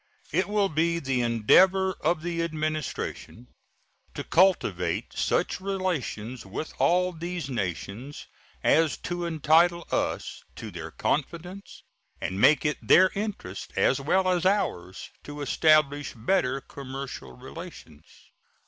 It will be the endeavor of the Administration to cultivate such relations with all these nations as to entitle us to their confidence and make it their interest, as well as ours, to establish better commercial relations.